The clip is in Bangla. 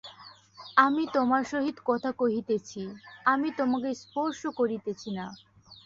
আমি তোমার সহিত কথা কহিতেছি, আমি তোমাকে স্পর্শ করিতেছি না।